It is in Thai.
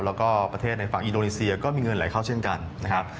แล้วก็ประเทศในฝั่งอินโดนีเซียก็มีเงินไหลเข้าเช่นกันนะครับ